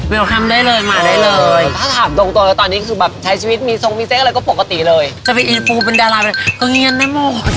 เวลาเผื่อว่าเราจะได้ไง